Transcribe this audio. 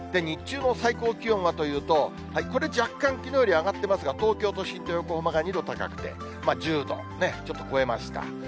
日中の最高気温はというと、これ、若干、きのうより上がってますが、東京都心と横浜が２度高くて、１０度ちょっと超えました。